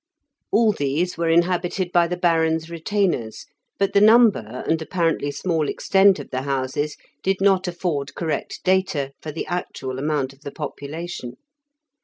All these were inhabited by the Baron's retainers, but the number and apparently small extent of the houses did not afford correct data for the actual amount of the population.